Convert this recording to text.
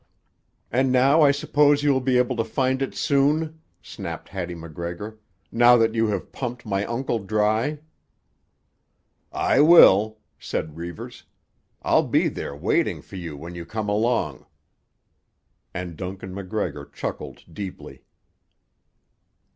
"And now I suppose you will be able to find it soon," snapped Hattie MacGregor, "now that you have pumped my uncle dry?" "I will," said Reivers. "I'll be there waiting for you when you come along." And Duncan MacGregor chuckled deeply.